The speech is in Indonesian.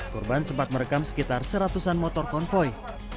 korban sempat merekam sekitar seratusan motor konvoy